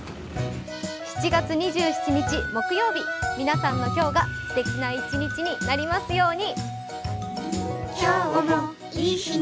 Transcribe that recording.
７月２７日木曜日、皆さんの今日がすてきな一日になりますように。